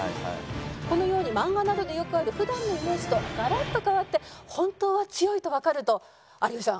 このように漫画などでよくある普段のイメージとガラッと変わって本当は強いとわかると有吉さん